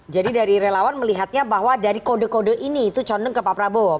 jadi dari relawan melihatnya bahwa dari kode kode ini itu condong ke pak prabowo